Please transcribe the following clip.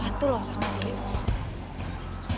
aku sama sekali gak ngedit foto itu